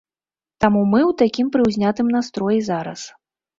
Таму мы ў такім прыўзнятым настроі зараз.